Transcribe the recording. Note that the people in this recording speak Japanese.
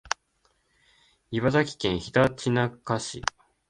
茨城県ひたちなか市